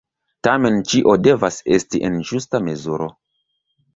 Tamen ĉio devas esti en ĝusta mezuro.